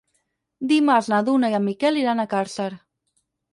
Dimarts na Duna i en Miquel iran a Càrcer.